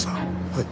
はい。